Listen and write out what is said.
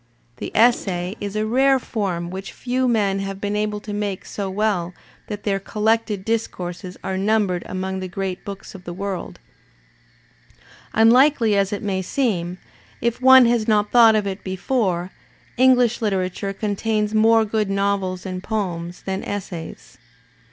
The essay is a rare form which few men have been able to make so well that thdr collected discourses are numbered among the great books of the world. Unlikely as it may seem, if one has not Digitized by Google HOLMES 157 thought of it before, English literature contains more good novels and poems than essays.